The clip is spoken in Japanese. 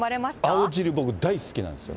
青汁、僕、大好きなんですよ。